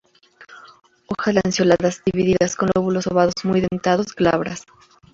Hojas lanceoladas, divididas, con lóbulos ovados, muy dentados, glabras.